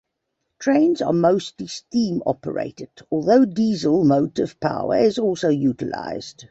Trains are mostly steam-operated, although diesel motive power is also utilised.